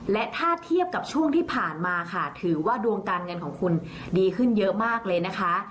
และถ้าเทียบกับช่วงที่ผ่านมาค่ะถือว่าดวงการเงินของคุณดีขึ้นเยอะมากเลยนะคะ